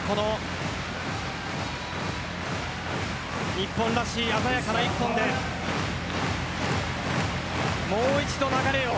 日本らしい鮮やかな１本でもう一度流れを。